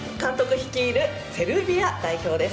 率いるセルビア代表です。